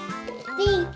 ピンク！